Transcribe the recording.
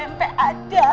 ya tempe aja